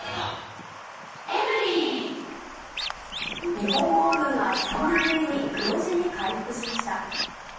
日本航空が３年ぶりに黒字に回復しました。